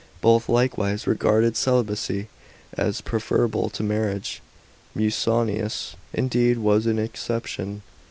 Both, likewise, regarded celibacy as preferable to marriage ; Musonius indeed was an exception.